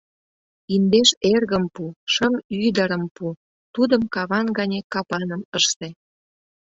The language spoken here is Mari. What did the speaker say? Индеш эргым пу, шым ӱдырым пу, тудым каван гане капаным ыште...